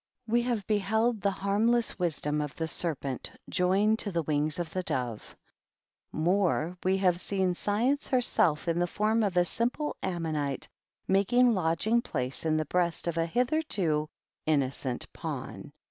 We have beheld the ham less wisdom of the serpent joined to the wings o the dove. More ! We have seen Science hersel in the form of a simple ammonite, making lodging place in the breast of a hitherto innocei pawn.